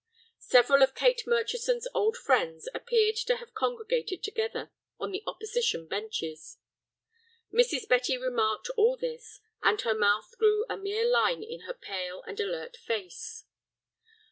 Several of Kate Murchison's old friends appeared to have congregated together on the opposition benches. Mrs. Betty remarked all this, and her mouth grew a mere line in her pale and alert face.